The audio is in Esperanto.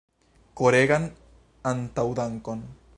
Koregan antaŭdankon!